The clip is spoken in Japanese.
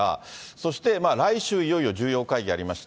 そして、来週いよいよ重要会議ありまして。